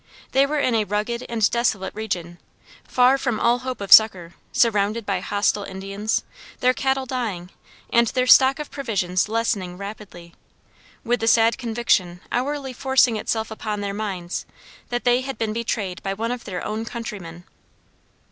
They were in a rugged and desolate region, far from all hope of succor, surrounded by hostile Indians, their cattle dying, and their stock of provisions lessening rapidly, with the sad conviction hourly forcing itself upon their minds, that they had been betrayed by one of their own countrymen.